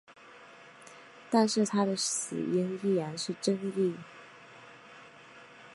但是他的死因依然是争议。